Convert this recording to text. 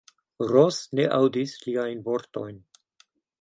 Ros ne aŭdis liajn vortojn.